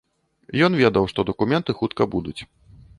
Ён ведаў, што дакументы хутка будуць.